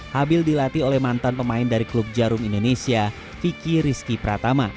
habil dilatih oleh mantan pemain dari klub jarum indonesia vicky rizky pratama